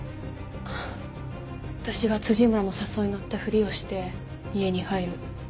私が村の誘いにのったふりをして家に入る。